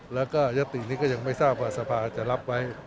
แล้วก็ยตินี้ก็ยังไม่ทราบว่าสภาจะรับไว้